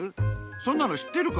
そんなのしってるから。